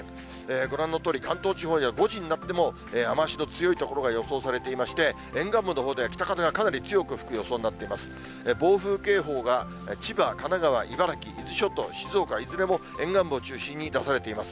ご覧のとおり、関東地方には５時になっても雨足の強い所が予想されていまして、沿岸部のほうでは北風がかなり強く吹く予想になっています。